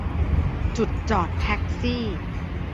จุดจอดแท็กซี่